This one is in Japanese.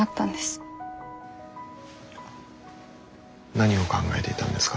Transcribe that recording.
何を考えていたんですか？